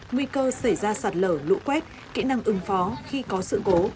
nguy cơ xảy ra sạt lở lũ quét kỹ năng ứng phó khi có sự cố